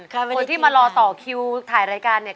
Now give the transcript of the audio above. คนที่มารอต่อคิวถ่ายรายการเนี่ย